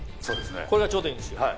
これがちょうどいいんですよ。